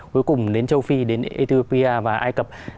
cuối cùng đến châu phi đến ethiopia và ai cập